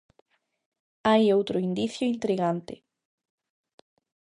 Hai outro indicio intrigante.